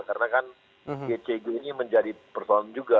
karena kan gcg ini menjadi persoalan juga